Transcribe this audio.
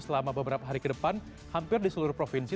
selama beberapa hari ke depan hampir di seluruh provinsi